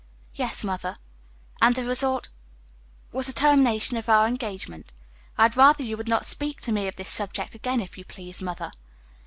"Yes, mother." "And the result " "Was the termination of our engagement. I had rather you would not speak to me of this subject again, if you please, mother."